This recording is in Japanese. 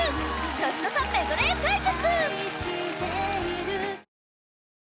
年の差メドレー対決